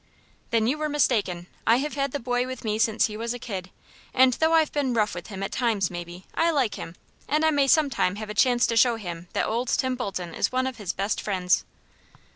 "Then you were mistaken. I have had the boy with me since he was a kid, and though I've been rough with him at times, maybe, I like him, and I may some time have a chance to show him that old Tim Bolton is one of his best friends."